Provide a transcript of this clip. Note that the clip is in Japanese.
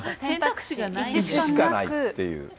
１しかないっていう。